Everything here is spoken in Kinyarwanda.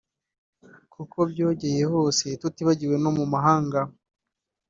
Kuko byogeye hose tutibagiwe no mu mahanga